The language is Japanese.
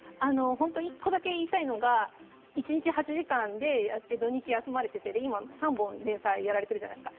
一個だけ言いたいのが一日８時間やって土日休まれてて、今、３本の連載をやられてるじゃないですか。